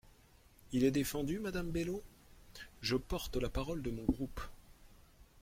Il est défendu, madame Bello ? Je porte la parole de mon groupe.